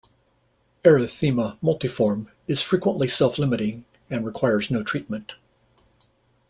Erythema multiforme is frequently self-limiting and requires no treatment.